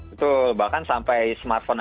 betul bahkan sampai smartphone